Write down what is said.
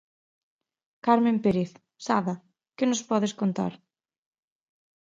Carmen Pérez, Sada, que nos podes contar?